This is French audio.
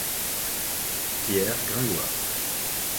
Pierre Gringoire.